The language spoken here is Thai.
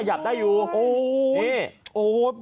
มันโดดแล้วหรอ